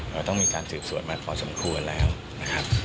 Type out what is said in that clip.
เราต้องมีการสืบสวนมาพอสมควรแล้วนะครับ